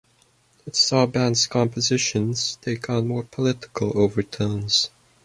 It saw the band's compositions take on more political overtones.